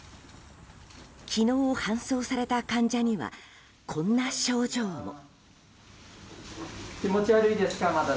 昨日搬送された患者にはこんな症状も。